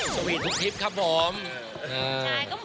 สวีทุกทิพย์ครับผม